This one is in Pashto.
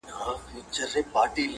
او نه هم د مستعمره ټولني ارزښت دی